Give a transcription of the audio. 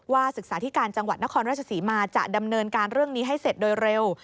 ศึกษาธิการจังหวัดนครราชศรีมาจะดำเนินการเรื่องนี้ให้เสร็จโดยเร็ว